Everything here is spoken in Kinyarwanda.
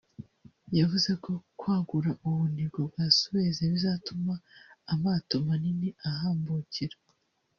yavuze ko kwagura ubunigo bwa Suez bizatuma amato manini ahambukira